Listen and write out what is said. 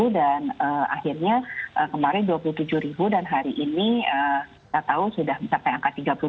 enam belas tujuh belas dan akhirnya kemarin dua puluh tujuh dan hari ini kita tahu sudah sampai angka tiga puluh dua